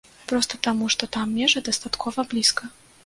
Проста таму, што там межы дастаткова блізка.